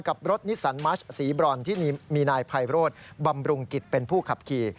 กับรถนิสันมัชสีบรอนที่มีนายไพโรธบำรุงกิจเป็นผู้ขับขี่